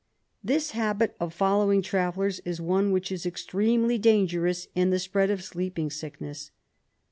This habit of following travellers is one which is extremely dan gerous in the spread of sleeping sickness.